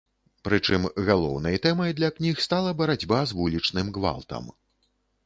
Прычым, галоўнай тэмай для кніг стала барацьба з вулічным гвалтам.